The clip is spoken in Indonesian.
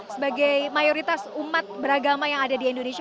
sebagai mayoritas umat beragama yang ada di indonesia